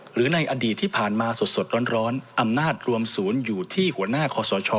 หรือในอดีตที่ผ่านมาสดร้อนอำนาจรวมศูนย์อยู่ที่หัวหน้าคอสช